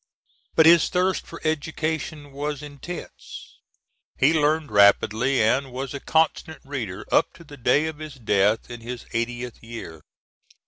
But his thirst for education was intense. He learned rapidly, and was a constant reader up to the day of his death in his eightieth year.